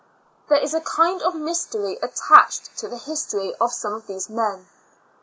There is a kind of mys tery attached to the history of some of these men.